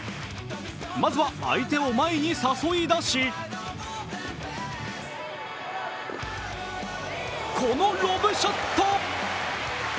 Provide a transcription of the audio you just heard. まずは相手を前に誘い出しこのロブショット。